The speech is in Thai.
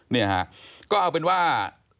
เนี่ยฮะก็เอาเป็นว่า